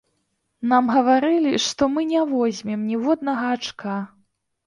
Нам гаварылі, што мы не возьмем ніводнага ачка.